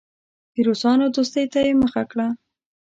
د روسانو دوستۍ ته یې مخه کړه.